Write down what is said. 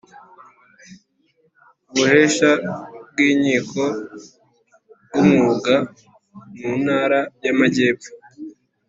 ubuhesha bw inkiko bw umwuga mu ntara y amajyepfo